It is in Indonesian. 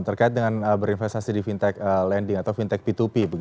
terkait dengan berinvestasi di fintech lending atau fintech p dua p